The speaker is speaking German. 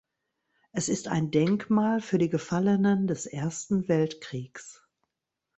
Es ist ein Denkmal für die Gefallenen des Ersten Weltkriegs.